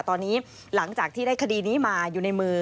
ตอนนี้หลังจากที่ได้คดีนี้มาอยู่ในมือ